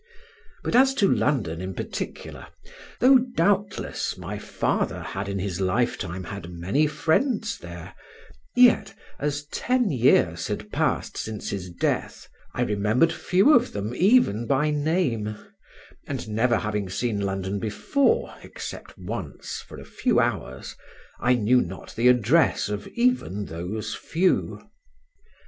But as to London in particular, though doubtless my father had in his lifetime had many friends there, yet (as ten years had passed since his death) I remembered few of them even by name; and never having seen London before, except once for a few hours, I knew not the address of even those few.